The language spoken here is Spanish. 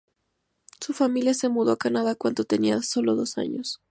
Su familia se mudó a Canadá cuando tenía sólo dos años.